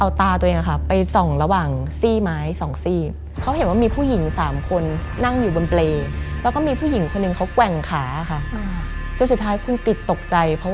เอาตาตาไปส่องระหว่างสี่ไม้สองสี่เขาเห็นว่ามีผู้หญิงสามคนนั่งอยู่บนเปรย์